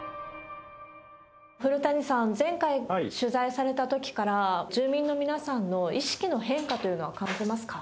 古谷さん、前回取材されたときから住民の皆さんの意識の変化というのは感じますか？